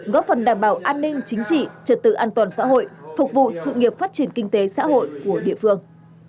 góp phần đảm bảo an ninh chính trị trật tự an toàn xã hội phục vụ sự nghiệp phát triển kinh tế xã hội của địa phương